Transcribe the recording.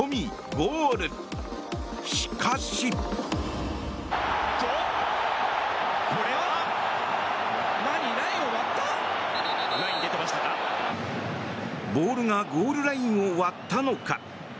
ボールがゴールラインを割ったのか？